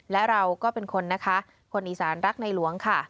และเราก็เป็นคนนะคะคนอีสานรักในหลวงค่ะ